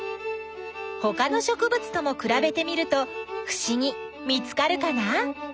ほかのしょくぶつともくらべてみるとふしぎ見つかるかな？